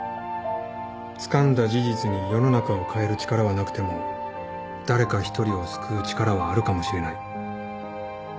つかんだ事実に世の中を変える力はなくても誰か一人を救う力はあるかもしれない。